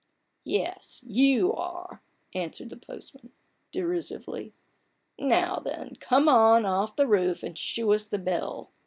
" Yes, you are !" answered the postman, derisively. " Now then, come off the roof and shew us the bell.